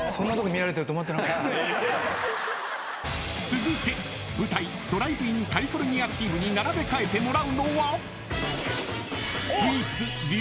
［続いて舞台ドライブインカリフォルニアチームに並べ替えてもらうのは？］